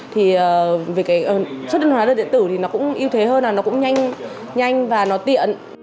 thì về cái xuất hóa đơn điện tử thì nó cũng yêu thế hơn là nó cũng nhanh và nó tiện